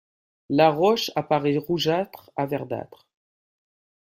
La roche apparaît rougeâtre à verdâtre.